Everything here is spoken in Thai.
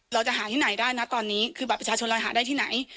เราจะหาที่ไหนได้นะตอนนี้คือบัตรประชาชนเราหาได้ที่ไหน